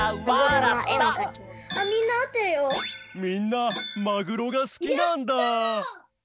みんなマグロがすきなんだ。